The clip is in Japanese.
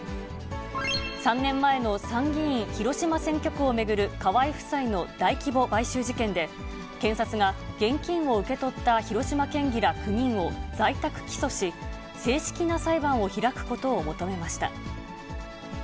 ３年前の参議院広島選挙区を巡る河井夫妻の大規模買収事件で、検察が、現金を受け取った広島県議ら９人を在宅起訴し、正式な裁判を開くことを求めました。